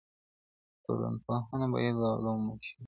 ټولنپوهنه بايد د علومو مشره وي.